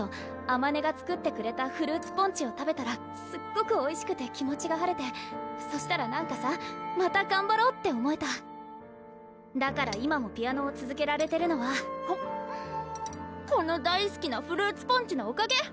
あまねが作ってくれたフルーツポンチを食べたらすっごくおいしくて気持ちが晴れてそしたらなんかさまたがんばろうって思えただから今もピアノをつづけられてるのはこの大すきなフルーツポンチのおかげ！